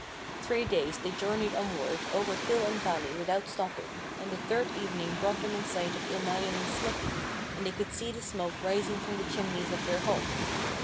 Three days they journeyed onward over hill and valley without stopping, and the third evening brought them in sight of Ilmarinen's smithy, and they could see the smoke rising from the chimneys of their home.